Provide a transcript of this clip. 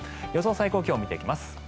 最高気温を見ていきます。